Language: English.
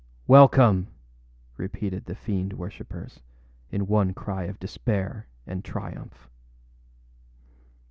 â âWelcome,â repeated the fiend worshippers, in one cry of despair and triumph.